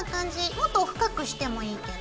もっと深くしてもいいけど。